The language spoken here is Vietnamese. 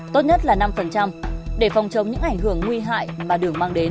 tốt nhất là năm để phòng chống những ảnh hưởng nguy hại mà đường mang đến